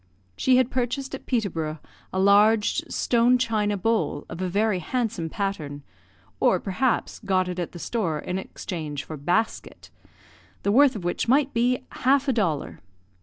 She had purchased at Peterborough a large stone china bowl, of a very handsome pattern (or, perhaps, got it at the store in exchange for basket), the worth of which might be half a dollar.